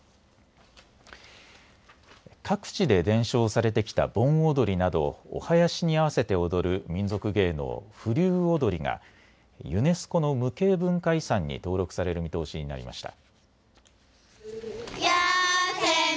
各地で伝承されてきた盆踊りなどお囃子に合わせて踊る民俗芸能、風流踊がユネスコの無形文化遺産に登録される見通しになりました。